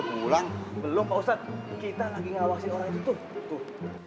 belum kita lagi ngawasi orang itu tuh